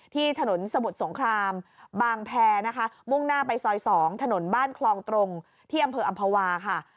ที่บ้านคลองตรงที่อำเภออำภาวาค่ะ